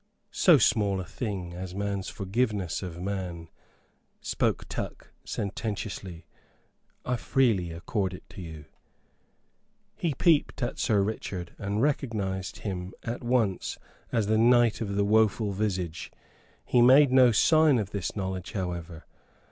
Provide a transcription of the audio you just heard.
"So small a thing as man's forgiveness of man," spoke Tuck, sententiously, "I freely accord to you." He peeped at Sir Richard, and recognized him at once as the knight of the woeful visage. He made no sign of this knowledge, however.